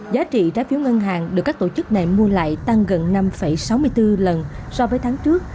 giá trị trái phiếu ngân hàng được các tổ chức này mua lại tăng gần năm sáu mươi bốn lần so với tháng trước